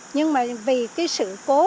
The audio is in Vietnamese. nhưng mà vì cái sự cố